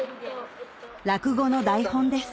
落語の台本です